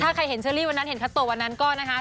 ถ้าใครเห็นเชอรี่วันนั้นเห็นคาโตวันนั้นก็นะคะ